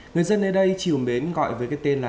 người dân nơi đây chiều mến gọi với cái tên là